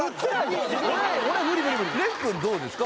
俺蓮くんどうですか？